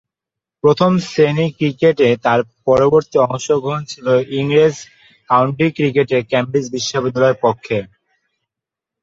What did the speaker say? প্রথম-শ্রেণীর ক্রিকেটে তার পরবর্তী অংশগ্রহণ ছিল ইংরেজ কাউন্টি ক্রিকেটে ক্যামব্রিজ বিশ্ববিদ্যালয়ের পক্ষে।